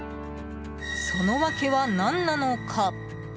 その訳は何なのか。